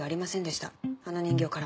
あの人形からも。